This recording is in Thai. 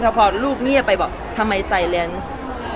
แล้วพอลูกเงียบไปบอกทำไมใส่เลนส์